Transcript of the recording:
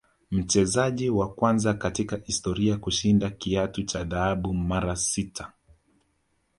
Mchezaji wa kwanza katika historia kushinda kiatu cha dhahabu mara sita